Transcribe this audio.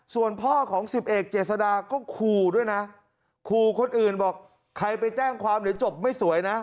ส่วนพ่อของสิบเอกเจษดาก็ขู่ด้วยนะขู่คนอื่นบอกใครไปแจ้งความเดี๋ยวจบไม่สวยนะ